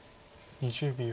２０秒。